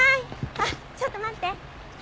あっちょっと待って。